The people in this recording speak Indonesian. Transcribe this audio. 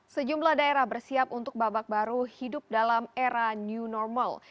sejumlah daerah bersiap untuk babak baru hidup dalam era new normal